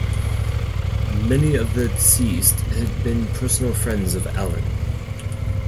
Many of the deceased had been personal friends of Allen.